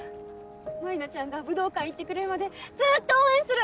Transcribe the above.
舞菜ちゃんが武道館いってくれるまでずーっと応援する！